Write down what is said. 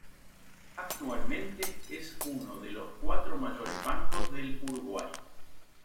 Actualmente es uno de los cuatro mayores bancos del Uruguay.